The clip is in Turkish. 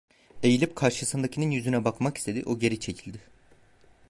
Eğilip karşısındakinin yüzüne bakmak istedi, o geri çekildi.